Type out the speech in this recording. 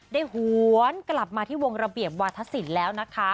หวนกลับมาที่วงระเบียบวาธศิลป์แล้วนะคะ